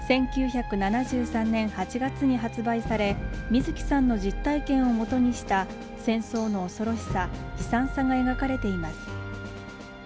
１９７３年８月に発売され水木さんの実体験をもとにした戦争の恐ろしさ悲惨さが描かれています